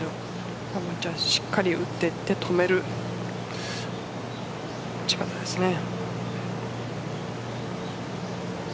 しっかり打ってって、止める打ち方ですね。